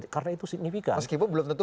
karena itu signifikan meskipun belum tentu